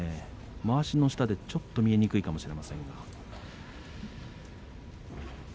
まわしの下、ちょっと見えにくいかもしれません。